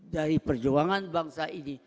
dari perjuangan bangsa ini